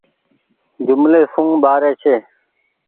جملي سون ٻآري ڇي۔